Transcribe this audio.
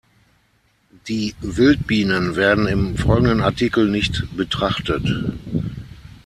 Die Wildbienen werden im folgenden Artikel nicht betrachtet.